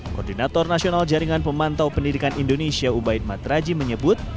koordinator nasional jaringan pemantau pendidikan indonesia ubaid matraji menyebut